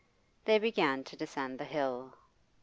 They began to descend the hill.